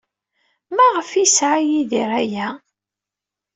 Maɣef ay yesɛa Yidir aya?